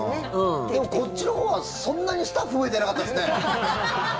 でも、こっちのほうはそんなにスタッフ増えてなかったですね。